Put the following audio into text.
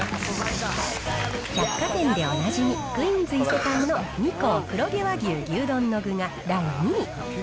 百貨店でおなじみ、クイーンズ伊勢丹の二幸黒毛和牛牛丼の具が第２位。